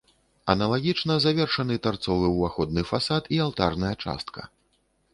Аналагічна завершаны тарцовы ўваходны фасад і алтарная частка.